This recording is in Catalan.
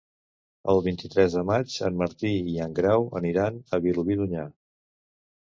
El vint-i-tres de maig en Martí i en Grau aniran a Vilobí d'Onyar.